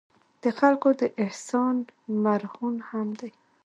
د خلکو د احسان مرهون هم دي.